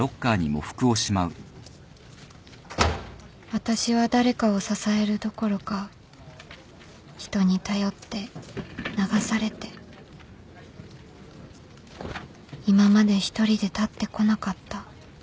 私は誰かを支えるどころか人に頼って流されて今まで一人で立ってこなかった